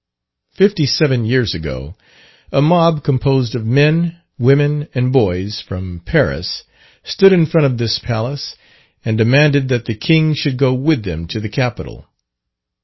Fifty seven years ago, a mob, composed of men, women, and boys, from Paris, stood in front of this palace and demanded that the king should go with them to the capital.